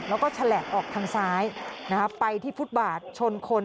แล้วก็แฉลกออกทางซ้ายไปที่ฟุตบาทชนคน